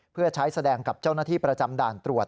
เพื่อใช้แสดงกับเจ้าหน้าที่ประจำด่านตรวจ